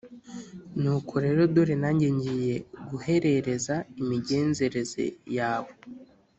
Nuko rero dore nanjye ngiye guherereza imigenzereze yawe